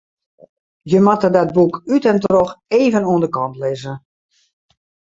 Je moatte dat boek út en troch even oan de kant lizze.